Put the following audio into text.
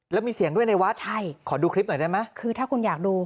แล้วมีเสียงด้วยในวัดใช่ขอดูคลิปหน่อยได้ไหมคือถ้าคุณอยากดู